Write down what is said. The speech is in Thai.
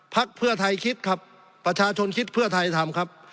พักเพื่อไทยคิดครับประชาชนคิดเพื่อไทยทำครับ